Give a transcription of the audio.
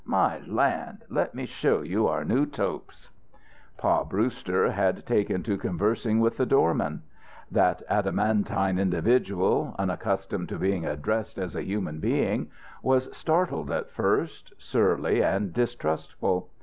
My land! Let me show you our new taupes." Pa Brewster had taken to conversing with the doorman. That adamantine individual, unaccustomed to being addressed as a human being, was startled at first, surly and distrustful.